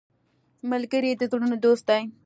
ملګری د زړونو دوست دی